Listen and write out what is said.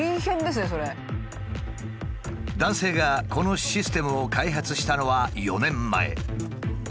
男性がこのシステムを開発したのは４年前。